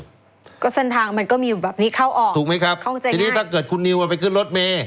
เพราะเส้นทางมันก็มีอยู่แบบนี้เข้าออกเข้าใจง่ายถูกมั้ยครับทีนี้ถ้าเกิดคุณนิวมาไปขึ้นรถเม